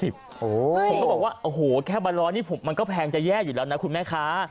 ผมก็บอกว่าโอ้โหแค่ใบร้อยนี่มันก็แพงจะแย่อยู่แล้วนะคุณแม่ค้า